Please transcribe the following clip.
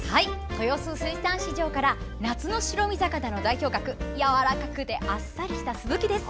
豊洲水産市場から夏の白身魚の代表格やわらかくてあっさりしたスズキです。